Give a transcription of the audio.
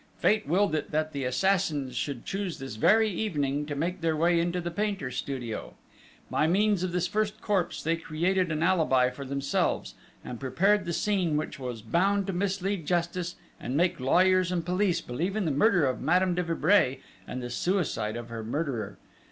Fate willed it that the assassins should choose this very evening to make their way into the painter's studio ... by means of this first corpse they created an alibi for themselves, and prepared the scene which was bound to mislead justice and make lawyers and police believe in the murder of Madame de Vibray and the suicide of her murderer....